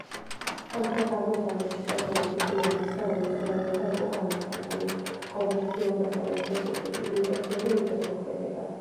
სამხრეთ-აღმოსავლეთში საძოვრების სიმრავლის გამო მეცხოველეობა იყო განვითარებული, ხოლო ჩრდილო-დასავლეთ ნაწილში კი ინტენსიური მიწათმოქმედება.